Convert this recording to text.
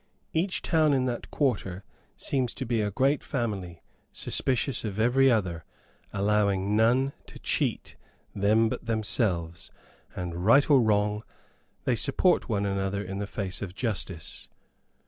Each town in that quarter seems to be a great family, suspicious of every other, allowing none to cheat them but themselves; and, right or wrong, they support one another in the face of justice.